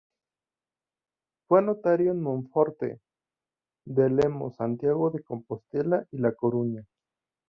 Fue notario en Monforte de Lemos, Santiago de Compostela y La Coruña.